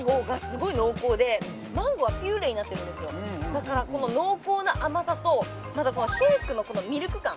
だからこの濃厚な甘さとシェイクのミルク感